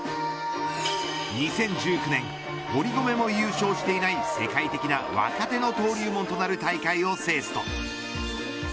２０１９年堀米も優勝していない世界的な若手の登竜門となる大会を制すと。